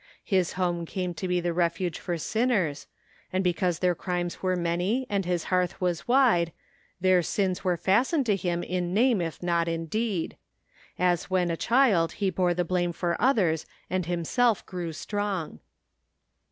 His home came to be the refuge for sinners, and because their crimes were many and his hearth was wide, their sins were fastened to him in name if not in deed; as when a child he bore the blame for others and himself grew strong.